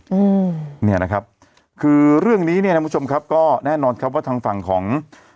อืมเนี่ยนะครับคือเรื่องนี้เนี่ยท่านผู้ชมครับก็แน่นอนครับว่าทางฝั่งของ